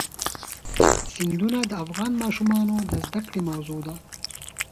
سیندونه د افغان ماشومانو د زده کړې موضوع ده.